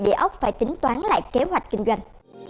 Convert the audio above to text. địa ốc phải tính toán lại kế hoạch kinh doanh